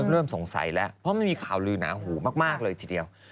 เริ่มสงสัยแล้วเพราะมันมีข่าวลือหนาหูมากเลยทีเดียว